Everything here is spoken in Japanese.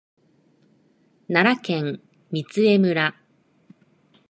奈良県御杖村